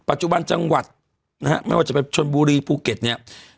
ปัจจุบันจังหวัดนะฮะไม่ว่าจะเป็นชนบุรีภูเก็ตเนี่ย